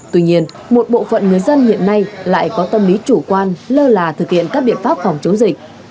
tuy nhiên một bộ phận người dân hiện nay lại có tâm lý chủ quan lơ là thực hiện các biện pháp phòng chống dịch